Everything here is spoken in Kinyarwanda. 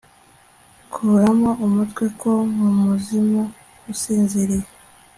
kuramo umutwe ko, nkumuzimu usinziriye